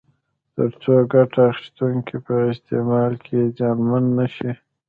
تر څو ګټه اخیستونکي په استعمال کې زیانمن نه شي.